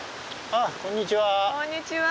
あっこんにちは。